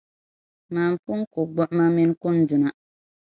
Mani pun ku gbuɣima mini kunduna.